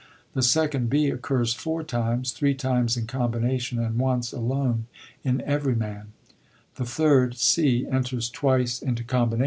The second (&) pccurs four times, three times in combination, and once aJone in Everyman, The third (c) enters twice 1 Chambers, ii.